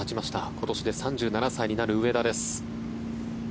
今年で３７歳になる上田です。